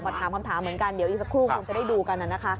ก็ถามคำถามเหมือนกันเดี๋ยวอีกสักครู่คงจะได้ดูกันนะคะ